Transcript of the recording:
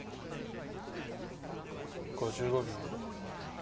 ５５秒。